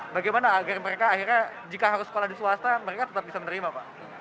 bagaimana agar mereka akhirnya jika harus sekolah di swasta mereka tetap bisa menerima pak